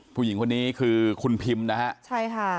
ผู้หญิงคนนี้คือคุณพิมนะฮะใช่ค่ะ